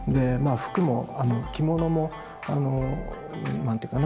服も着物もあの何ていうかな